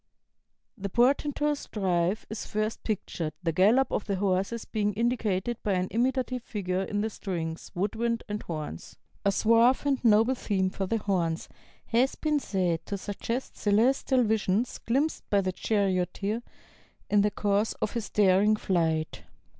" The portentous drive is first pictured, the gallop of the horses being indicated by an imitative figure in the strings, wood wind, and horns. A suave and noble theme for the horns has been said to suggest celestial visions glimpsed by the charioteer in the course of his daring flight.